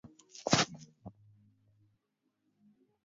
wakulima Bairu ambao walitawaliwa na mara nyingi kudharauliwa